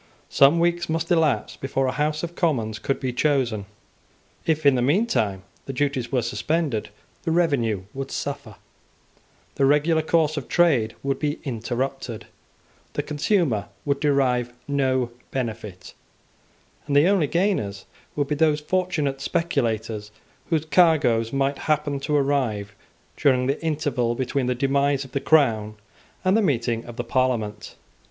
Some weeks must elapse before a House of Commons could be chosen. If, in the meantime, the duties were suspended, the revenue would suffer; the regular course of trade would be interrupted; the consumer would derive no benefit, and the only gainers would be those fortunate speculators whose cargoes might happen to arrive during the interval between the demise of the crown and the meeting of the Parliament.